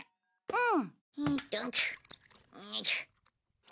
うん。